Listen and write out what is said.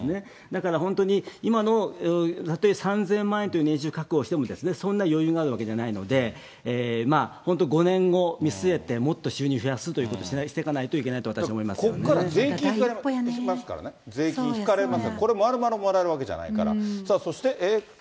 だから本当に、今の、たとえ３０００万円という年収確保しても、そんな余裕があるわけじゃないので、本当５年後を見据えてもっと収入増やすということをしていかないといけないと、ここから税金が引かれますからね、税金引かれますから、これ、まるまるもらえるわけじゃないから。